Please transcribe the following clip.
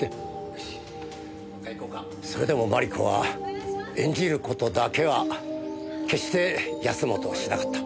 それでも麻理子は演じる事だけは決して休もうとはしなかった。